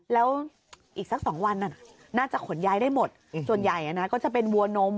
แล้วอีกสัก๒วันน่าจะขนย้ายได้หมดส่วนใหญ่ก็จะเป็นวัวนม